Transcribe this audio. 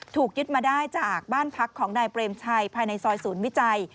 ถูกยึดมาได้จากบ้านพักของนายเปรมชัยภายในซอยศูนย์วิจัย